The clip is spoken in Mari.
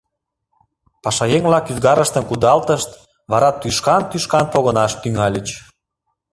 Пашаеҥ-влак ӱзгарыштым кудалтышт, вара тӱшкан-тӱшкан погынаш тӱҥальыч.